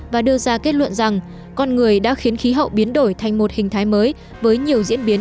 và đưa ra kết luận rằng con người đã khiến khí hậu biến đổi thành một hình thái mới với nhiều diễn biến